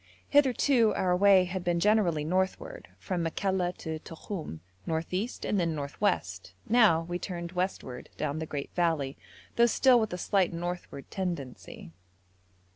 Hitherto our way had been generally northward, from Makalla to Tokhum, north east, and then north west; now we turned westward down the great valley, though still with a slight northward tendency.